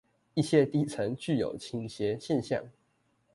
一些地層具有傾斜現象